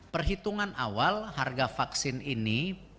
perhitungan awal harga vaksin ini